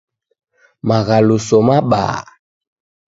Maghaluso mabaa.